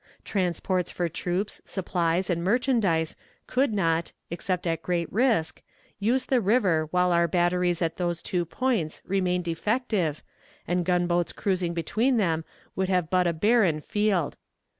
Transports for troops, supplies, and merchandise could not, except at great risk, use the river while our batteries at those two points remained effective, and gunboats cruising between them would have but a barren field.